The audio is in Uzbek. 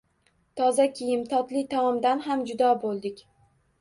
Toza kiyim, totli taomdan ham judo boʻldik.